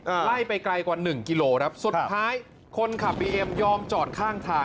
ไล่ไปไกลกว่าหนึ่งกิโลครับสุดท้ายคนขับบีเอ็มยอมจอดข้างทาง